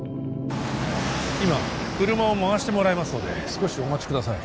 今車を回してもらいますので少しお待ちください